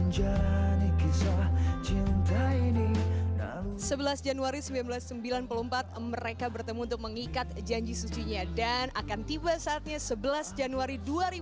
sebelas januari seribu sembilan ratus sembilan puluh empat mereka bertemu untuk mengikat janji suci nya dan akan tiba saatnya sebelas januari